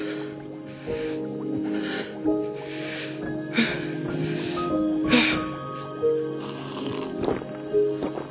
ハァハァ。